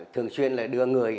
thường xuyên là đưa người